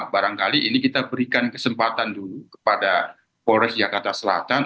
barangkali ini kita berikan kesempatan dulu kepada polres jakarta selatan